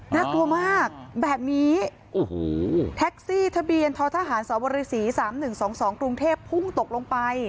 น่ากลัวมากแบบนี้โอ้โหแท็กซี่ทะเบียนท้อทหารสวรรษีสามหนึ่งสองสองกรุงเทพภูมิตกลงไป